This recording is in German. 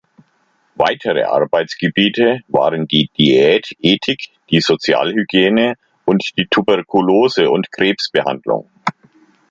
Weitere Arbeitsgebiete waren die Diätetik, die Sozialhygiene und die Tuberkulose- und Krebsbehandlung.